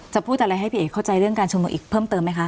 พูดอะไรให้พี่เอกเข้าใจเรื่องการชุมนุมอีกเพิ่มเติมไหมคะ